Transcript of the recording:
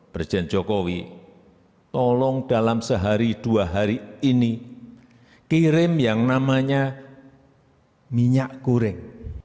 presiden jokowi tolong dalam sehari dua hari ini kirim yang namanya minyak goreng